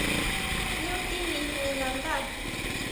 ¿ʼÑu timijin nandá?